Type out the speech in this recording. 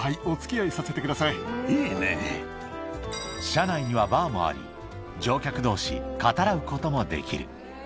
車内にはバーもあり乗客同士語らうこともできる